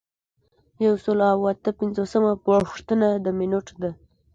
یو سل او اته پنځوسمه پوښتنه د مینوټ ده.